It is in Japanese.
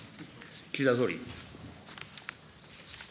岸田総理。